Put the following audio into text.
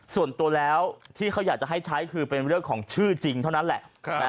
ส่วนตัวแล้วที่เขาอยากจะให้ใช้คือเป็นเรื่องของชื่อจริงเท่านั้นแหละ